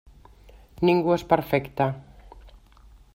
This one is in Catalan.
Ningú és perfecte.